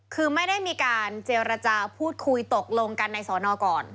คือไม่ได้มีการเจรจาพูดคุยตกลงกันในสอนอก่อน